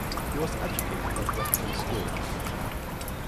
He was educated at Repton School.